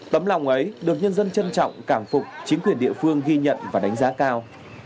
tấm lòng ấy được nhân dân trân trọng cảm phục chính quyền địa phương ghi nhận và đánh giá cao